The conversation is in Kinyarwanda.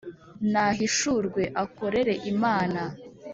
Nahishurwe akorere Imana